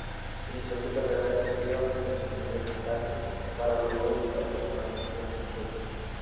Inició su carrera deportiva compitiendo en karting, para luego debutar profesionalmente en monoplazas.